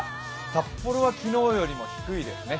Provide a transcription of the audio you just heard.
札幌は、昨日よりも低いですね。